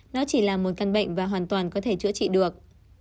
nó chỉ là một căn bệnh và hoàn toàn có thể chữa trị được